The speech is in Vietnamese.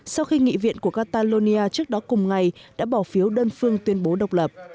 sau khi nghị viện của catalonia trước đó cùng ngày đã bỏ phiếu đơn phương tuyên bố